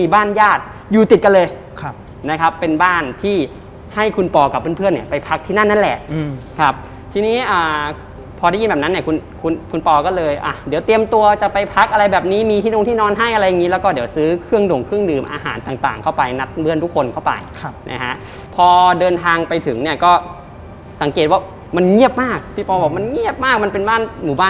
บ้านญาติอยู่ติดกันเลยนะครับเป็นบ้านที่ให้คุณปอกับเพื่อนเนี่ยไปพักที่นั่นนั่นแหละครับทีนี้พอได้ยินแบบนั้นเนี่ยคุณคุณปอก็เลยอ่ะเดี๋ยวเตรียมตัวจะไปพักอะไรแบบนี้มีที่นงที่นอนให้อะไรอย่างงี้แล้วก็เดี๋ยวซื้อเครื่องด่งเครื่องดื่มอาหารต่างเข้าไปนัดเพื่อนทุกคนเข้าไปครับนะฮะพอเดินทางไปถึงเนี่ยก็สังเกตว่ามันเงียบมากพี่ปอบอกมันเงียบมากมันเป็นบ้านหมู่บ้าน